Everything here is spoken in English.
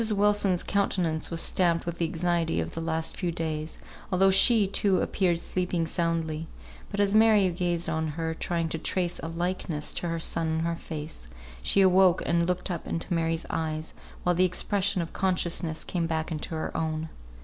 Wilson's countenance was stamped with the anxiety of the last few days, although she, too, appeared sleeping soundly; but as Mary gazed on her, trying to trace a likeness to her son in her face, she awoke and looked up into Mary's eyes, while the expression of consciousness came back into her own.